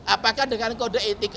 apakah dengan kode etik